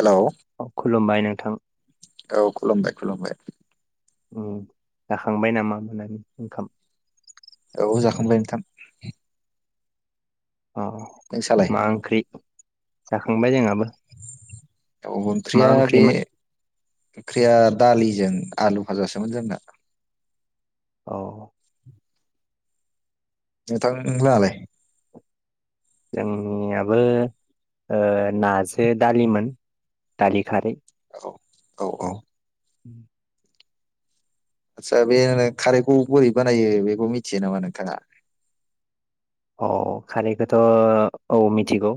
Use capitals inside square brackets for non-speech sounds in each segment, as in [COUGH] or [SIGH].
Hello अ खुलुमबाय नों थां औ खलुमबाय खुलुमबाय ओम जाखांबाय नामा मोनानि ओंखाम औ जाखांलाय नोंथां अ अ नोंसालाय मा ओंख्रि जाखांबाय जोंहाबो औ मा ओंख्रिया बे ओंख्रिमोन ओंख्रिया दालिजों आलु भाजाासोमोन जोंना औ नोंथां लालाय जोंनियाबो ओ नाजो दालिमोन दालि खारै औ औ-औ उ आदसा बे खारैखौ बोरै बानायो बेखौ मिथियो नामा नोंथाङा औ खारैखौथ' औ मिथिगौ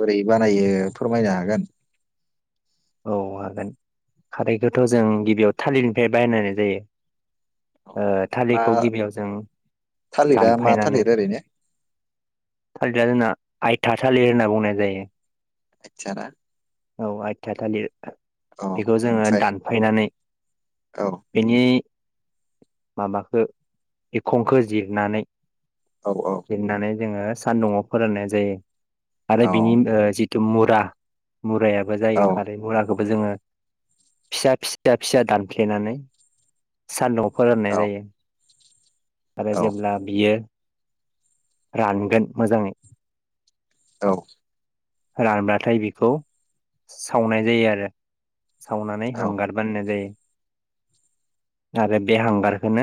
बोरै बानायो फोरमायनो हागोन औ हागोन खारैखौथ' जों गिबियाव थालिरनिफ्राय बायनाय जायो औ ओ मा थालिरखौ गिबियाव जों थालिरा मा दानफायनानै थालिर ओरैनो थालिरा जोंना आयथा थालि होनना बुंनाय जायो आथ्यारा औ आथ्या थालिर बेखौ जोङो ओमफ्राय दानफायनानै औ बेनि माबाखो एखंखौ जिरनानै औ-औ जिरनानै जोङो सान्दुङाव फोराननाय जायो। आरो औ बिनि ओ जि तु मुरा मुरायाबो जायो खारै मुराखौ बो जोङो फिसा फिसा फिसा दानफ्लेनानै सान्दुं औ फोराननाय जायो आरो जेब्ला बियो रानगोन मोजाङै औ रानब्लाथाय बेखौ सावनाय जायो आरो सावनानै औ हांगार बाननाय जायो। आरो बे हांगारखोनो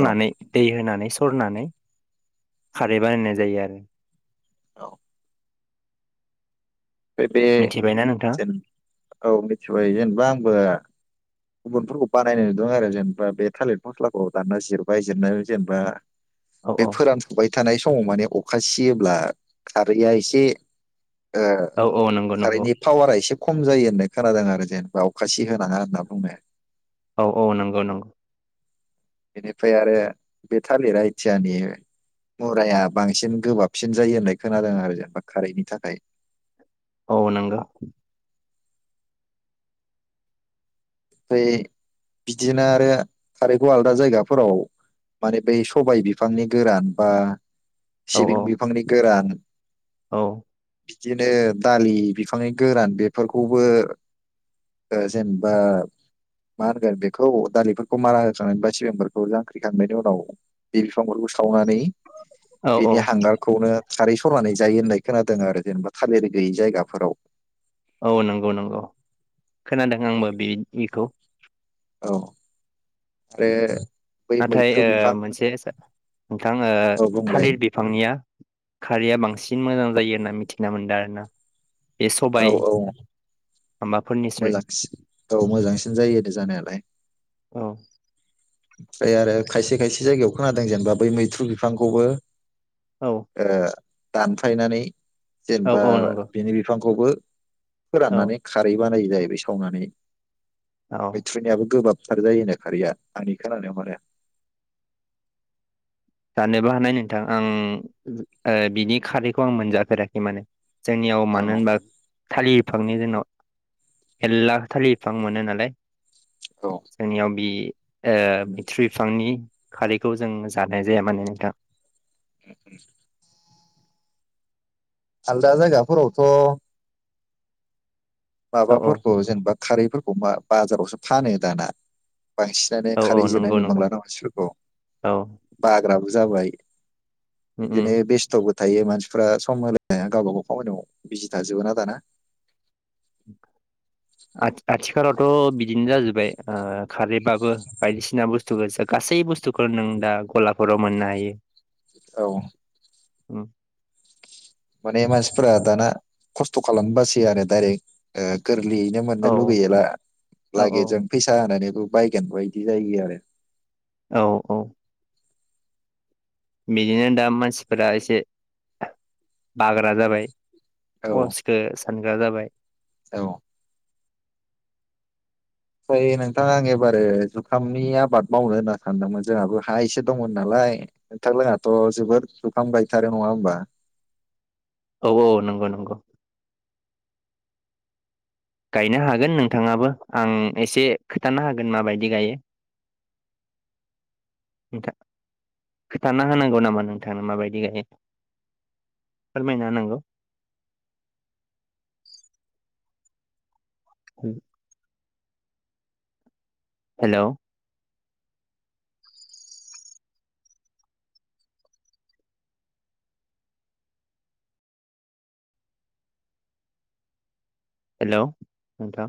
औ दै होनानै सरनानै खारै बानायनाय जायो आरो औ बे बे मिथिबायना नोंथाङा जेन औ मिथिबाय जेनेबा आंबो गुबुनफोरखौ बानायनाय नुदों आरो जेनेबा बे थालिर फस्लाखौ दाना जिरबाय जिरनानै जेनेबा औ बे औ फोरान फुबाय थानाय समाव माने अखा सियोब्ला खारैया एसे ओ औ औ नंगौ नंगौ खारैनि पावारा एसे खम जायो होननाय खोनादों आरो जेनेबा अखा सिहोनाङा होनना बुंनो। औ औ नंगौ नंगौ बेनिफ्राय आरो बे थालिर आथियानि मुराया बांसिन गोबाबसिन जायो होननाय खोनादों आरो जेनेबा खारैनि थाखाय अ नोंगो ओमफ्राय बिदिनो आरो खारैखौ आलादा जायगाफोराव माने बै सबाइ बिफांनि गोरान बा औ सिबिं बिफांनि गोरान औ बिदिनो दालि बिफांनि गोरान बेफोरखौबो ओ जेनबा मा होनगोन बेखौ दालिफोरखौ मारा होखांनानै बा सिबिांफोरखौ जांख्रिखांनायनि उनाव बे बिफांफोरखौ सावनानै औ औ बेनि हांगारखौनो खारै सरनानै जायो होननाय खोनादों आरो जेनेबा थालिर गैयि जायगाफोराव औ नंगौ नंगौ खोनादों आंबो बे इखौ औ आरो बै नाथाय मैथ्रु ओ बिफां मोनसे सो नोंथां ओ औ बुंलाय थालिर बिफांनिया खारिया बांसिन सिन मोजां जायो होनना मिथिना मोनदों आरो ना औ औ माबाफोरनिस्रुइ मोजांसि औ मोजांसिन जायो जानायालाय । औ । ओमफ्राय आरो खायसे खायसे जायगायाव खोनादों जेनेबा बै मैथ्रु बिफांखौबो ओ औ । दानफायनानै औ जेनबा औ नंगौ बिनि बिफांखौबो औ फोराननानै खारै बानायो जाहैबाय सावनानै औ । मैथ्रुनियाबो गोबाब थारजायोनो खारिया आंनिखोनानायाव माने । [UNINTELLIGIBLE] नाय नोंथां आं ओ बिनि खारैखौ आं मोनजाफेराखै माने । जोंनियाव मानो होनबा थालिर बिफांनि जोंनाव मेरला थालिर बिफां मोनो नालाय जोंनियाव बि ओ मिथ्रु बिफांनि खारैखौ जों जा जानाय जाया माने नोंथां। ए [INAUDIBLE] आलदा जायगाफोरावथ' औ औ माबाफोरखौ जेनेबा खारैफोरखौ बा बाजारावसो फानो दाना । बांसिनानो औ खारै औ जानाय नंगौ नंगौ नुुबांलाना मानसिफोरखौ औ बाग्राबो जाबाय । उम बिदिनो उम बेस्थबो थायो मानसिफ्रा सम होलायनोहाया गावबा गाव खामनायाव बिजि थाजोबोना दाना । [UNINTELLIGIBLE] आ आतसा । [UNINTELLIGIBLE] बिदिनो जाजोबबाय ओ खारैबाबो बायदिसिना बुस्थु गासै बुस्थु खो नों दा गला फराव मोननो हायो । औ । उम । माने मानसिफोरा दाना खस्थ खालामनो बासै आरो दडायरेक्ट ओ गोरलैयैनो औ मोननो लुुबैयो एबा औ औ लागेजों फैसा होनानै थ बायगोन बायदि जायो आरो औ औ बिदिनो दा मानसिफोरा एसे बाग्रा जाबाय अस [INAUDIBLE] सानग्रा जाबाय औ ओमफ्राय नोंथां आं एबारो जुखामनि आबाद मावनो होनना सानदोंमोन जोंहाबो हा एसे दंमोन नालाय नोंथां लोंहाथ जोबोद जुखाम गायथारो नङा होमबा औ औ औ नंगौ नंगौ गायनो हागोन नोंथाङाबो आं एसे खोथानो हागोन माबायदि गायो नोंथां खिथान होनांगौ नामा नोंथाङा माबायदि गायो फोरमायना होनांगौ औ हेलौ हेलौ नों